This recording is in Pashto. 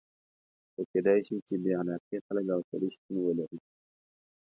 خو کېدای شي چې بې علاقې خلک او سړي شتون ولري.